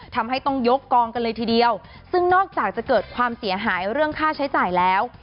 ทำให้ต้องยกกองกันเลยทีเดียวซึ่งนอกจากจะเกิดความเสียหายเรื่องค่าใช้จ่ายแล้ว